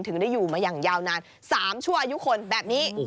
ได้อยู่มาอย่างยาวนาน๓ชั่วอายุคนแบบนี้